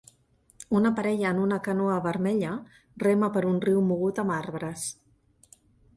Una parella en una canoa vermella rema per un riu mogut amb arbres.